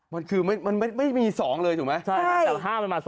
มันคือไม่มี๒เลยถูกไหม